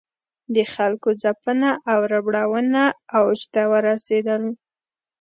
د خلکو ځپنه او ربړونه اوج ته ورسېدل.